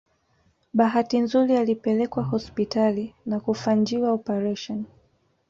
Bahati nzuri alipelekwa hospitali na kufanjiwa operation